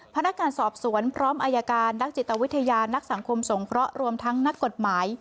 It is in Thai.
พนักงานสอบสวนพร้อมอายการนักจิตวิทยานักสังคมสงเคราะห์รวมทั้งนักกฎหมาย